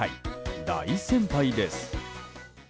大先輩です。